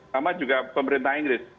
sama juga pemerintah inggris